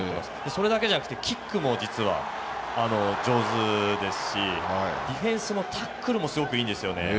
それだけじゃなくてキックも実は上手ですしディフェンス、タックルもすごくいいんですよね。